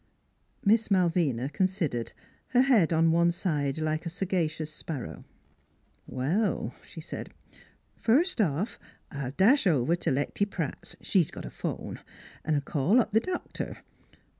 Miss Malvina considered, her head on one side like a sagacious sparrow. " Well," she said, " first off, I'll dash over t' Lecty Pratt's she's got a phone an' call up th' doctor.